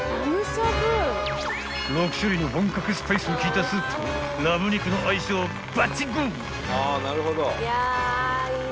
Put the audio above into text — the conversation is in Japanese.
［６種類の本格スパイスの効いたスープとラム肉の相性バッチグー！］